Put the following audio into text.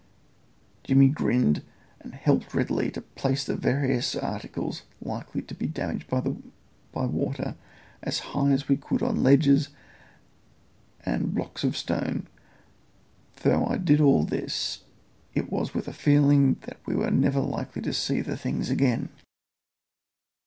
Jimmy grinned and helped readily to place the various articles likely to be damaged by water as high as we could on ledges and blocks of stone, though as I did all this it was with the feeling that we were never likely to see the things again.